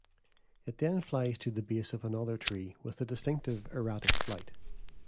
It then flies to the base of another tree with a distinctive erratic flight.